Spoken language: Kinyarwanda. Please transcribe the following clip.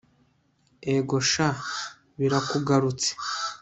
ego sha birakugarutse